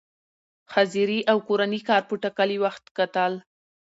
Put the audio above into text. حاضري او کورني کار په ټاکلي وخت کتل،